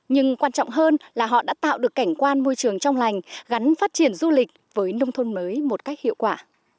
nhưng quan trọng hơn là họ đã tạo được cảnh quan môi trường trong lành gắn phát triển du lịch với nông thôn mới một cách hiệu quả